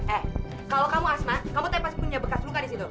eh kalau kamu asma kamu tapi pasti punya bekas luka di situ